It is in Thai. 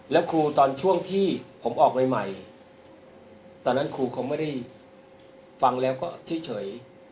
แล้วครูตอนช่วงที่ผมออกใหม่ตอนนั้นครูคงไม่ได้ฟังแล้วก็เฉย